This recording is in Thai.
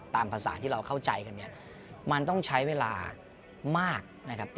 ตามภาษาที่เราเข้าใจกันเนี่ยมันต้องใช้เวลามากนะครับ